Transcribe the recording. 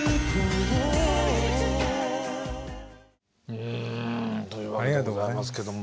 うんというわけでございますけども。